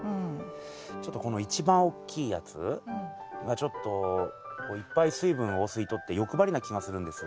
ちょっとこの一番おっきいやつがちょっとこういっぱい水分を吸い取って欲張りな気がするんです。